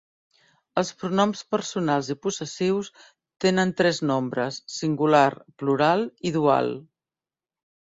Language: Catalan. Els pronoms personals i possessius tenen tres nombres -singular, plural i dual-.